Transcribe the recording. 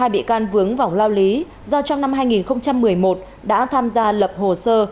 một mươi bị can vướng vòng lao lý do trong năm hai nghìn một mươi một đã tham gia lập hồ sơ